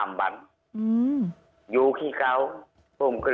มีไข้ปวดหัวอือ